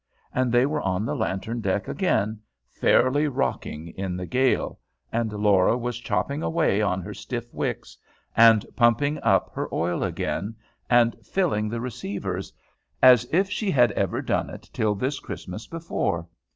And they were on the lantern deck again, fairly rocking in the gale, and Laura was chopping away on her stiff wicks, and pumping up her oil again, and filling the receivers, as if she had ever done it till this Christmas before.